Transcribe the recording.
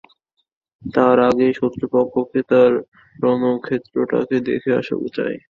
তার আগেই শত্রুপক্ষকে আর রণক্ষেত্রটাকে দেখে আসা চাই।